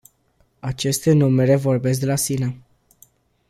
Aceste numere vorbesc de la sine.